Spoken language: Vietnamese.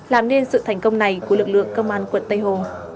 làm nên sự thành công này của lực lượng công an quận tây hồ